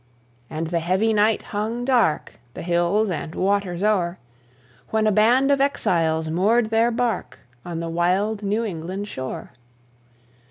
And the heavy night hung dark The hills and waters o'er, When a band of exiles moored their bark On the wild New England shore.